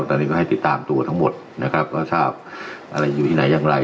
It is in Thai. ตอนนี้ก็ให้ติดตามตัวทั้งหมดนะครับก็ทราบอะไรอยู่ที่ไหนอย่างไร